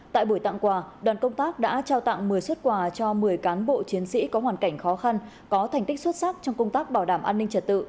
tại buổi tặng quà đoàn công tác đã trao tặng một mươi xuất quà cho một mươi cán bộ chiến sĩ có hoàn cảnh khó khăn có thành tích xuất sắc trong công tác bảo đảm an ninh trật tự